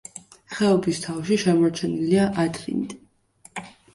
ხეობის თავში შემორჩენილია ადრინდ.